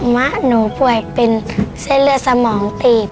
มะหนูป่วยเป็นเส้นเลือดสมองตีบ